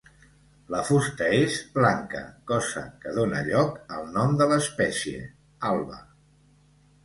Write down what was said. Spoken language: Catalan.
La fusta és blanca, cosa que donà lloc al nom de l'espècie, "alba".